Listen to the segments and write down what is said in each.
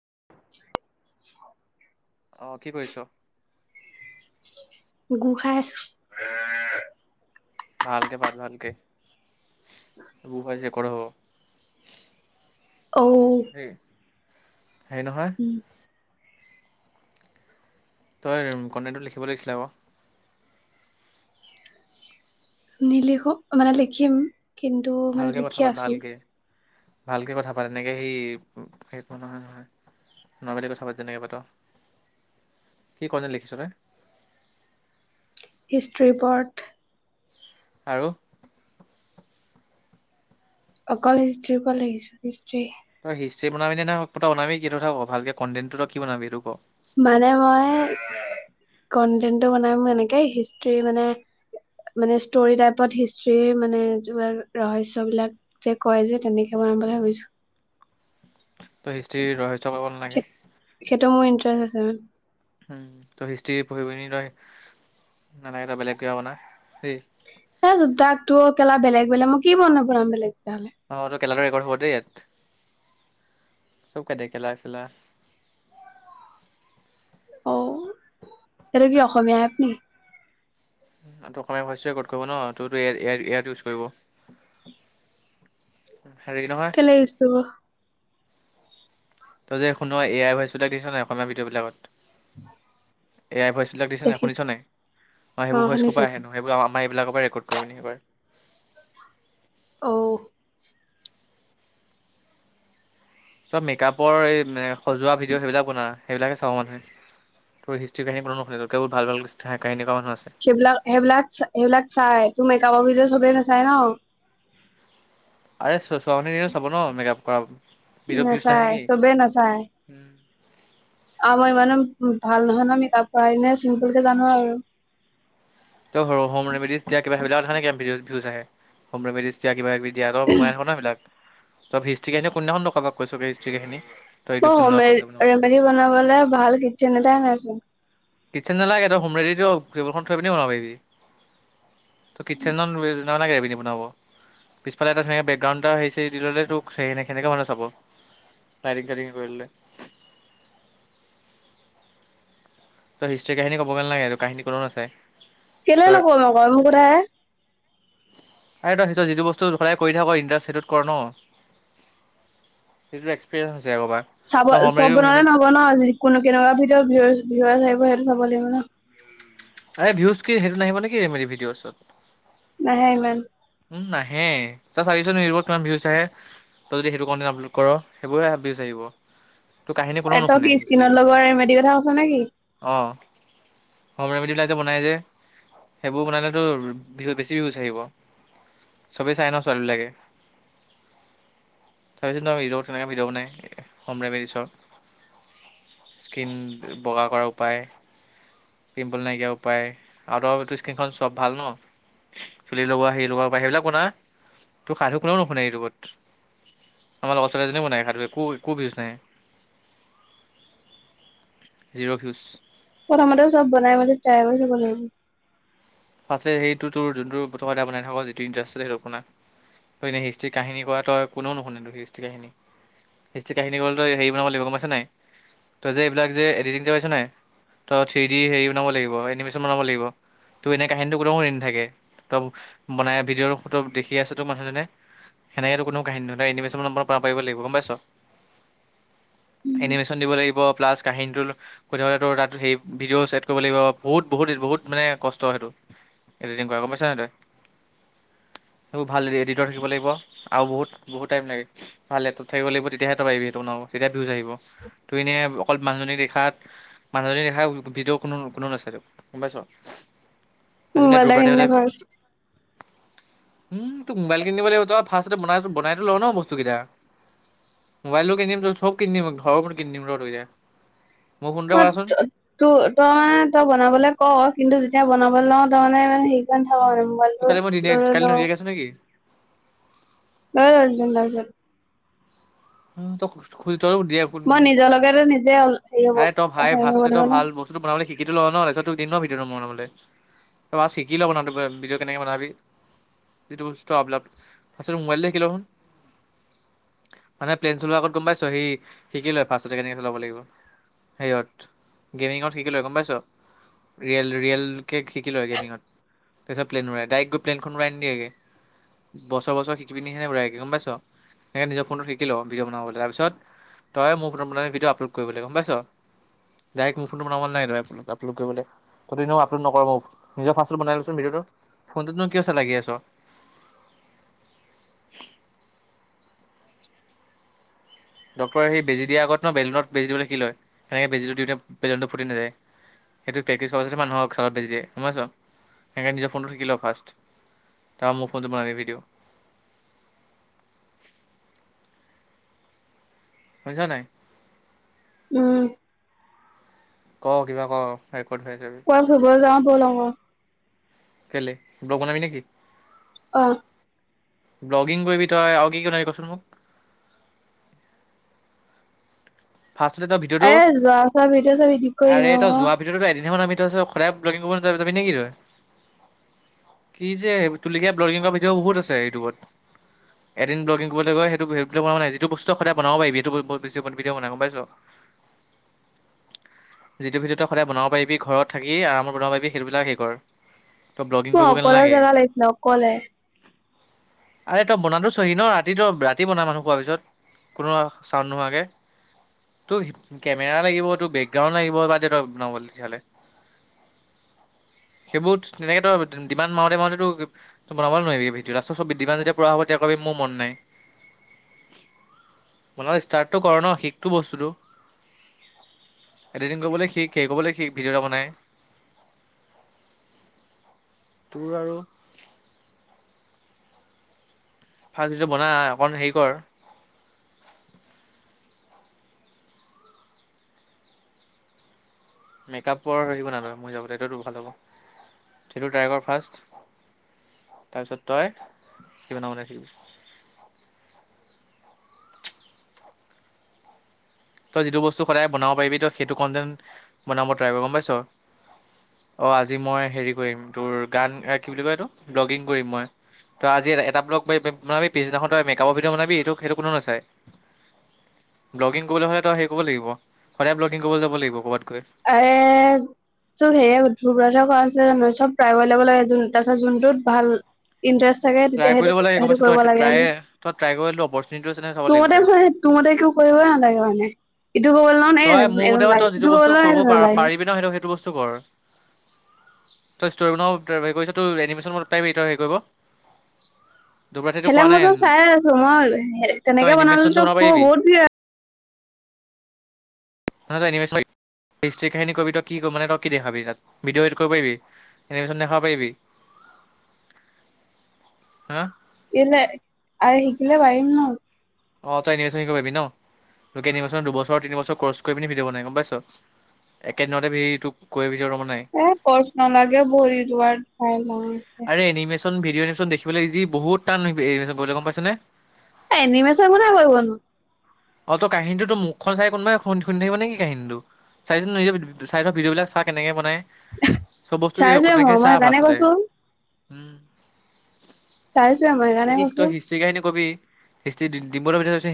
[unintelligible] আহ কি কৰিছ গোসাই আছো ভালকে ভাত ভালকে সব যে কৰে হব অ হেই হেৰি নহয় উম, তই কণ্টেক্টটো লিখিব লাগিছিলে আ বাৰ নিলিখো মানে লিখিম কিন্তু মানে ভালকে লিখি কথা পাত আছো ভালকে ভালকে কথা পা তেনেকে সেই সেই নহয় নহয় নৰ্মেলি কথা পাতি তেনেকৈ পাতো কি কনে লিখিছনে হিষ্ট্ৰি পৰ্থ। আৰু। অকল হিষ্ট্ৰীৰ পৰা লিখিছোঁ হিষ্ট্ৰি। তই হিষ্ট্ৰি বনাবি নে, না [unintelligible] বনাবি কি তই কথা ক ভালকে কণ্টেন্টো তই কি বনাবি সেইটো ক? মানে মই কন্টেন্টটো বনাম এনেকে হিষ্ট্ৰি মানে মানে ষ্টৰি টাইপত হিষ্ট্ৰিৰ মানে যে ৰহস্যবিলাক যে কয় যে তেনেকে বনাম। বনাম বুলি ভাবিছোঁ। তই হিষ্ট্ৰি ৰহস্য বনাব নালাগে। সেইটো মোৰ ইণ্টাৰেষ্ট আছে মানে। তই হিষ্ট্ৰি পঢ়িব পিনি তই, নালাগে তই বেলেগ কিবা বনা দেই। বোলে মই কি বনাম [unintelligible] পৰা বেলেগ তেতিয়াহ'লে। কেলেণ্ডাৰ ৰেকৰ্ড হ'ল দেই ইয়াত। চব কৈ দে [unintelligible] -চেলা। অহ, সেটো কি অসমীয়া এপ নি। তাতটো অসমীয়া ভইচ ৰেকৰ্ড কৰিব ন' তোৰটো এয়াত-এয়াত ইউজ কৰিব। [unintelligible] নহয় কেলে ইউজ কৰিব? তই যে শুন, এ আই ভইছবিলাক দিছা নাই অসমীয়া ভিডিঅ'বিলাকত। [unintelligible] এ আই ভইচবিলাক দিছে নে শুনিছ দেখিছো নাই, মই অ সেইবোৰ ভইচ ক'ৰ শুনিছো পৰা আহেনো সেইবোৰ আ আমাৰ এইবিলাকৰ পৰা ৰেকৰ্ড কৰি নি কৰে। [unintelligible] অহ। চব মেকআপৰ এই সজোৱা ভিডিঅ' সেইবিলাক বনা সেইবিলাকে চাব মানুহে। তোৰ হিষ্ট্ৰি কাহিনী নুশুনে তোতকে বহুত ভাল-ভাল কাহিনী কোৱা মানুহ আছে সেইবিলাক, সেইবিলাক, সেইবিলাক চাই তোৰ মেকাপৰ ভিডিঅ' চবেই নাচায় ন। আৰে চ-চ-ছোৱালীয়ে চাব ন' মেকআপ কৰা। ভিডিঅ'ত ভিউজ নাহে নাচায়, নেকি চবেই নাচায়। আৰু মই ইমানো ভাল নহয় ন' মেকআপ কৰা, এনেই চিম্পুল কে জানোঁ আৰু। ত' হোম ৰেমেডিজ দিয়াি কিবা সেইবিলাকক দেখা নাই কিমান ভউজ আহে হোম ৰেমেডিজ দিয়া কিবা-কিবি। দিয়া তই বনাই থাক ন' সেইবিলাক তই হিষ্ট্ৰি কাহিনি কোনদিনাখন কবাক কৈছ হিষ্ট্ৰি কাহিনি। মোৰ হোম ৰে-ৰেমেডী বনাবলে ভাল কিটচন এটাই নাইচোন। কিটচেন নালাগে তই হোমৰেডিটো টেবুলখন থৈ পিনি বন পাৰিবি, ত' কিটচেনত নালাগে এইপিনে বনাব। পিছফাল এটা সেনেকে বেকগ্ৰাউণ্ড এটা হেৰি-চেৰি দি ল'লে তোক সে-সেনেকে মানুহে চাব। লাইটিং-চাইটিং কৰি ল'লে। তই হিষ্ট্ৰি কাহিনী ক'বগে নালাগে আৰু কাহিনী কোনো নাচাই। কেলে নকৰিম আকৌ মোৰ কথা হে। আৰে তই সেইটো যিটো বস্তু সদায় কৰি থাক ইণ্টাৰেষ্ট সেইটোত কৰ ন'। সেইটো এক্সপিৰিয়েঞ্চ আগৰ পৰা। চাব তই হোম চব ৰেমেডি বনালে নহব ন' কোনো কেনেকুৱা ভিতৰত ভিডিঅ'ত ভিউজ-ছিউজ আহিব সেই যাব লাগিব ন'। এই ভিউজ কি সেইটো নাহিব নেকি ৰেমেডী ভিডিঅ'চত। নাহে ইমান। উম, নাহে তই চাবি চোন ইউটিউব কিমান ভিউজ আহে। তই যদি সেইটো কণ্টেণ্ট আপলোড কৰ সেইবোৰে ভিউজ আহিব। তোৰ কাহিনী কোনেও এ তই নুশুনে কি হিষ্ট্ৰী স্কিনত কাহিনী। লগোৱা ৰেমেডিৰ কথা কৈছ নেকি? অ' হোম ৰেমেডিবিলাক যে বনাই যে, সেইবোৰ বনালে তোৰ ভিউছ বেছি ভিউজ আহিব। চবেই চাই ন' ছোৱালীবিলাকে। চাবিছোন তই ইউটোপত কেনেকে ভিডিঅ' বনাই, হোম ৰেমেডিছৰ। স্কিন বগা কৰাৰ উপায়। পিম্পল নাইকিয়া উপায় আৰু ত তোৰ স্কিনখন চ'ব ভাল ন? চুলি লগোৱা সেই লগোৱা বা সেইবিলাক শুনা তোক সাধু কোনেও নুশুনে ইটোবত। আমাৰ লগৰ ছোৱালী এজনীয়ে বনাই আকো একো বিজ নাই। Zero huge. কমতেও চ'ব বনাই মাই ট্ৰী কৰিব লাগিব। ফ সেইটো তোৰ যোনটো প্ৰথমতে বনাই থাক যিটো ইণ্টাৰেষ্ট সেইটো শুনা। নে হিষ্ট্ৰ কাহিনী কৰাটোই কোনেও নুশুনো হিষ্ট্ৰি কাহিনী। হিষ্ট্ৰ কাহিনী তই হেৰি বনাব লাগিব গমাইছছে নাই তই যে এইবিলাক যে এডিটিং পাইছ নাই তই থ্ৰী ডি হেৰি বনাব লাগিব এনিমেচন বনাব লাগিব। তো এনে কাহিনীটো কোটও ৰি নথাকে ত' বনাই ভিডিঅ' ত দেখি আছতো মানুহজনে সেনেকো কোনো কাহিনী নলে এনিমেশ্যন নম্ব পৰা পাৰিব লাগিব গম পাইছ। এনিমেশ্যন দিব লিব প্লাছ কাহিনীটো সধাবলেতো তাত সেই ভিডিঅ' চছেট কৰিব লাগিব বহুত বহুত বহুত মানে কষ্ট সেইটো এডিটিং কৰা গ'ম পাইছান তই। সেইবোৰ ভাল এডিটৰ থাকিব লাগিব আৰু বহুত বুতটাইম লাগে ভাল এডিটৰ থাকিব লাগিব তেয়াহেটা পাবিবি সেইটো ন তেতিয়া বিহউজ আহিব ত এনে অকল মানুহজন দেখাত মানুহজন দেখা ভৰ কোনো কোনো না গ'ম পাইছ। উম, সেইজনীয়ে মাল দূৰ বাদেহঁতে কিনে ফাৰষ্ট। উম, টোক মোবাইল কিনিব লাগিব তই ফাৰ্ষট ব বনাইতো ল ন বস্তু কেইটা। মোবাইলোব কিনি দিম ঘৰো কিনি দিম ৰহ এতিয়া। মোৰ ফোনটোৱে মই কৰাচোন ত তই মানে তই বনাবলে ক কিন্তু এতিয়া বনাব লওঁ তাৰ মানে হেৰিকাৰণে থাক মানে তোক মোবাইলটো কালি মই দিনে ল কালি লওঁ। নিদিয়াকে আছো নেকি নাই ৰাজন লছে। উম, খুজ মই নিজৰ লগে নিজে হেৰি হব আৰে তই ভাই হেৰি ভাজ হব তই লাগিব ন বস্তুটো বনাবে শিক। শিকিটো লওঁ ন তাৰিতোৰ দি ন ভিডিঅ'টো ম বনাব তই শিকি ল' বনা ত ভিডিঅ' কেনেকৈ বনাবি। যিটো প লপ ফাৰ মোবাইল দেখিলখোন। মানে প্লেইন চলোৱাৰ আগত গম পাইছ সি শিকি লয় ফাৰ্ষটতে কেনেকে চলাব লাগিব। সেৰিয়ত গেমিঙত শিক লে গ'ম পাইছ। ৰিয়েল ৰিয়েল কে শিকি লয় গেমিঙত। তেচ প্লেন উৰাই ডাইক্ গৈ প্লেনখন ৰাই দি গে। বছৰ বছৰ শিকি পিনি সেনে বুঢ়ে গম পাইছ। সে নিজৰ ফোনত শিকি ভিডিঅ বনাব তাৰ পিছত তই মোৰ ফোন বন ভিঅ আপলোড কৰিবলৈ গম পাইছ। ডাইৰেক্ট মোৰ ফোনটো বন নাই আপল কৰিব। দি আপলোড নকৰ মোক নিজৰ ফাড বনাই লোন ভিডিঅটো ফোনটোতনো কি আছে লাগি আছ। [unintelligible] ডক্টৰ সেই বেজি দিয়া আগত ন বেলুনত বেজি দিবল শিক লয় সেনেকে বেজীটো দিওঁ বেলনটো ফুি নাযায়। সেইটো প্ৰেক্তিছ কৰাৰ পছতে মানুহক চালত বাজি দিয়েমাইছ সেনেকণ নিজ ফোনটো থাকি লওঁ ফাৰ্ষট। তাৰ মোৰ ফোনটো বনাইালে ভিডিঅ'। শুনিছ নাই। উম। ক কিবা ক। ৰেকৰ্ড হৈ আছে ক খবৰ যওঁ বল আকো। কেলে ব্ল বনাবি নেকি? অ'। ব্লগিং কৰিবি তই আৰু কি কি বনাবি কচোন মোক। ফাৰ্ষ্টতে তই ভিতিৰতটো আৰে যোৱা চোৱা ভিডিঅ' চিডিঅ এডিট কৰি আৰে দিম তই আকৌ যোৱা ভিতৰততো এদিন হে বনাবি। সদায় ব্লগিং কৰিব ন যাবি নেকি তই। কি যে তুলিকীয়া ব্লগিং কৰা ভিডিঅ' বহুত আছে ইউটিউবত। এদিন দুদিন কৰিবলৈ গৈ সেইটো সেইবিল বনোৱা নাই, যিটো বস্তু সদায় বনাব পাৰি সেইটো বেছ কিয় বনাই গম পাইছ? যিটো ভিতিৰতে সদায় বনাব পাৰিবি ঘৰত থাকি আৰামত বনাব পাৰিবি সেইটোবিলাক হেৰি কৰ। তই ব্লগিং মআই কৰিবগৈ অকলে নালাগে। জেগা লাগিছিলে অকলে। আৰে তই বনাতো চহি ন' ৰাতি তই ৰাতি বনা মানুহ শুৱাৰ পিছত। কোনো চাওন নোহোৱাকে। তোৰ কেমেৰা লাগিব তোৰ বেকগ্ৰাউণ্ড লাগিব, বাদ দে ন' তেতিয়াহ'লে। [inaudible] সেইবোৰ তেনেকে তই ডিমান মাওঁতে মাওঁতে তো তই বনাব নোৱাৰিবি, ৰাস্তা ডিমান যেতিয়া পোৱা হ'ব তেতিয়া কবি মোৰ মন নাই। বনোৱা ষ্টাৰ্টটো কৰ ন'। শিকটো বস্তুটো। এডিটিং কৰিবলৈ শিক, হেৰি কৰিবলৈ শিক ভিডিঅ' এটা বনাই। তোৰ আৰু ফাষ্ট হেটো বনা, অকন হেৰি কৰ। মেকাপৰ হেৰি বনা তই, মই যাব এইটোতো ভাল হ'ব, সেইটো ট্ৰাই কৰ ফাৰ্ষ্ট। তাৰপিছত তই কি বনাব ৰাখিবি। তই যিটো বস্তু সদায় বনাব পাৰিবি তই সেইটো কণ্টেণ্ট বনাব ট্ৰাই কৰ গম পাইছ? অ' আজি মই হেৰি কৰিম তোৰ গান কি বুলি কয় এইটো ভ্লগিং কৰিম মই। ত' আজি এটা ব্লক পা বনাবি, পিছদিনাখন তই মেকাপৰ ভিডিঅ বনাবি এই সেইটো কোনো নাচাই। ব্লগিং কৰিব হ'লে হেৰি কৰিব লাগিব সদায় ব্লগিং কৰিবলৈ যাব লাগিব ক'বাত। আ, তোৰ সেয়ে উঠিলোঁ গৈ। চব প্ৰাইভেল লাগে তাৰপিছত যোনটোত ভাল ইণ্টাৰেষ্ট থাকে ট্ৰাই তেতিয়া কৰি সেইটো ল'ব লাগে গম সেইটো পাইছ তই কৰিব লাগে। ট্ৰাই তই ট্ৰাই কৰিলো অপৰচুনিটি আছে নে চাব তোৰ লাগিব মতে তই এ, তো মতে একো কৰিবই নালাগে মানে, ইটো গ'ল তই মোৰ মতে ন' লাগ তই যিটো এটো বস্তু কৰিব পা-পাৰিবি ন' সেইটো সেইটো বস্তু কৰ। তই ষ্টৰি বনাব হেৰি কৰিছ, তোৰ এনিমেশ্যন প্ৰাইভ হটৰ হেৰি কৰিব? দুবৰাতে এইটো হেলে কোৱা মই চব নাই চাই আছোঁ। মই তই তেনেকে এনিমেশ্যনটো বনালেতো বনাব প বহুত ভিৰ হ হয় এনিমেছন লাইফ হিষ্ট্ৰি কাহিনী কবি তই কি মানে তই কি দেখাবি তাত, ভিডিঅ' এডিট কৰিব পাৰিবি, এনিমেশ্যন দেখাব পাৰিবি? হা? এনে আই শিকিলে পাৰিম ন'? অ' তই এনিমেছন কৰিব পাৰিবি ন'? তোকে নিবছৰ, দুবছৰ, তিন বছৰ কৰ্চ কৰি পি ভিডিঅ' বনাই গম পাইছ? একেদিনতে তোক কৈ এ, কৰ্চ নালাগে, ভৰি দুৱাৰ ভ লছে। আৰে এনিমেশ্যন ভিডিঅ' এনিছন দেখিবলৈ ইজি বহুত টান গম পাইছনে? এনিমেচন কোনে কৰিবনো। অ' ত' কাহিনীটো তোৰ মুখখন চাই কোনোবাই খুন্দ শুনি থাকিব নেকি কাহিনীটো। চাই চাচোন ভিডিঅ'বিলাক চাহ কেনেকে বনাই। চব বস্তু কি চাইছোৱে মই অকনখিনি চা মই সেইকাৰণে ফাৰ্ষ্টতে। কৈছো। উম। চাইছোৱে মই তই সেইকাৰণে কি কৈছো তই হিষ্ট্ৰী কাহিনী কবি? হষ্ট ডম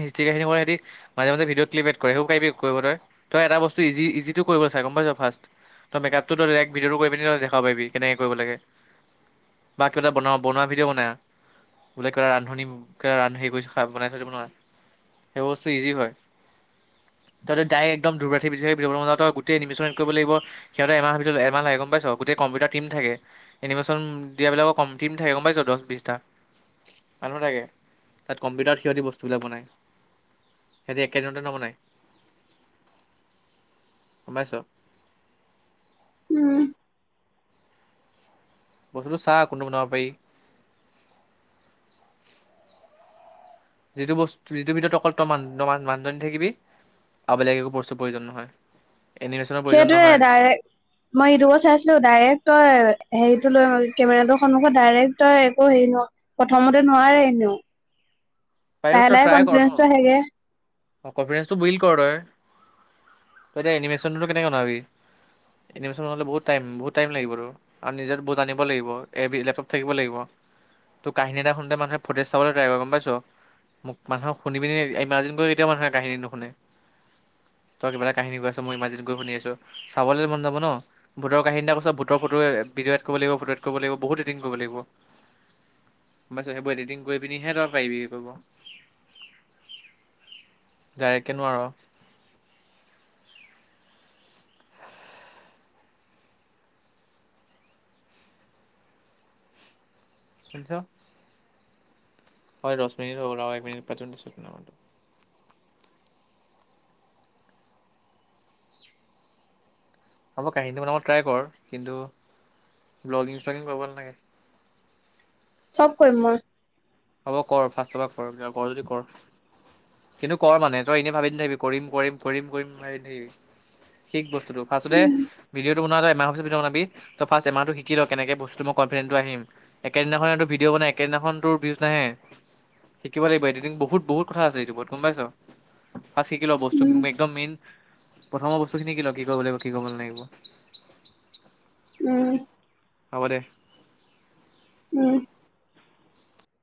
হিষ্ট্ৰী কাহিনী কৰে স মাজে মাজে ভিডিঅ' ক্লিপ এড কৰে সেইবোৰ কৰিব তই? তই এটা বস্তু ই-ইজিটো কৰিব চা গম পাইছ ফাৰ্ষ্ট। তই মেকাপটো ভিডিঅ'টো কৰি পিনি দেখাব পাৰিবি কেনেকে কৰিব লাগে। বা কিবা এটা বন-বনোৱা ভিডিঅ' বনা। বোলে কা ৰান্ধনী ক ৰান্ধ কৰি বনাই থিব নোৱাৰা সেই ব ইজি হয়। তইতো ডাই একদম ডুবৰাঠি বেছি ভিডিঅ' জান লাগিব সিহঁতে এমামাহ লে গম পাইছ, গোটেই কম্পিউটাৰ টিম থাকে। এনিমেশ্যন দিয়াবিলাকৰ কম টিম থাকে গম পাইছ দহ বিশটা। মানুহ থাকে, তাত কম্পিউটাৰত সিহঁতি বস্তুবিলাক বনায়। সিহঁতি একেদিনতে নবনাই। গম পাইছ? উম বস্তুটো চাহ কোনটোো বনাব পাৰি যিটো বস্তু যিটো ভিতৰত অকল তই মানুহী থাকিবি আবেলগে একো প্ৰস্তুৰ প্ৰয়োজন নহয় এনিমেশ্যনৰ প্ৰয়োজন সেইটোৱে নহয় ডাইৰে্ মই এইটোবো চাইছিলো ডাইৰেক্ট তই হেৰিতটো লৈ কেমেৰা ৌ ডাইৰেক্ট তই একো হেৰি ন প্ৰথমতে নোৱাৰে এনেও পাহল কনফিডেঞ্চটো হেগ অ কনফিডেঞ্চটো বিল্ড কৰ তই তই এতিয়া এনিমেশ্যনো কেনেকৈ বাবি এনিমেশ্যনন'লে বহুত টাইম বহুত টাইম লাগিব আৰু আৰু নিজৰ বহুট আনিব লাগিব এ লেপটপ থাকিব লাগিব তো কাহিনী এটাুনতে মানহে ফটজ চাব তিবাৰ গম পাইছো মোক মানুহক শুনি পিনি ইমাজিনকৈ কেতিয়াও মানুহে কাহিনী নুশুনে তই কিবা এটাাহিনী গৈ আছ মই ইমাজিন গৈ শুনি আছো চাবলৈ মন যাব ন ভতৰ কাহিনীটা কৈছ ব ভূতৰ ফটোে ভিডিঅ' এড কৰিব লাগিব ফটো এড কৰিব লাগিব বহুতডিং কৰিব লাগিব মছ সেইবোৰডিটিং কৰি পিনিহে তই পাৰিবি কৰিব গা়ককৈ নোৱাৰ শনিছ হয় দহ মিনিট এক মিনিট পাঁচ মিন ন ম আ মই কাহিনীটো মানত ট্ৰাই কৰ কিন্তু ব্লগিং চ্লগিং কৰিব লাগে চব কৰিম মই হ'ব কৰ ফাচ চফা কৰ কৰ যদি কৰ কিন্তু কৰ মানুহে তই এনেই ভাবি নথাকিবি কৰিম কৰিম কৰিম কৰিম ভাবি ন থাকিবি শিক বস্তুতটো ফাৰতে ভিঅ'টো ব এমাহ বনাবি ত ফ্ষ এমাহটো শিকি কেনেকে বস্তুটো ম ভি নাই শিকিব লাগিব এডিটিং বহুত বহুত কথা আছে ইটিউবত গম পাইছ ফাঁচ শিকি লোৱা বস্তু উম একদম মেইন প্ৰথমৰ বস্তুখিনি কি ল কি কৰিব লাগিব কি কৰিব ন লাগিব উম হ দে উম